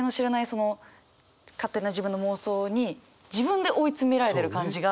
その勝手な自分の妄想に自分で追い詰められてる感じが。